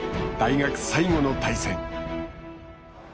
大学最後の対戦。